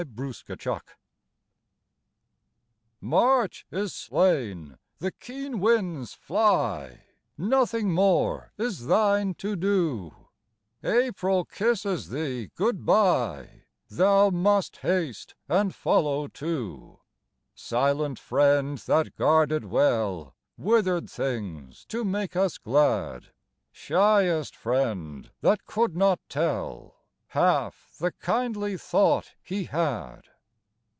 GOD SPEED TO THE SNOW March is slain; the keen winds fly; Nothing more is thine to do; April kisses thee good bye; Thou must haste and follow too; Silent friend that guarded well Withered things to make us glad, Shyest friend that could not tell Half the kindly thought he had.